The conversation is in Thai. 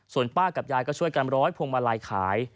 ส่วนป้ากับยายก็ช่วยกันร้อยพวงมาลัยขาย